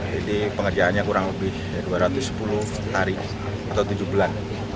jadi pengerjaannya kurang lebih dua ratus sepuluh hari atau tujuh bulan